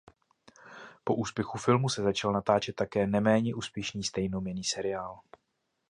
Po úspěchu filmu se začal natáčet také neméně úspěšný stejnojmenný seriál.